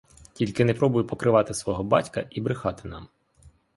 Тільки не пробуй покривати свого батька і брехати нам.